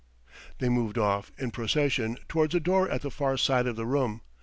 They moved off, in procession, towards a door at the far side of the room.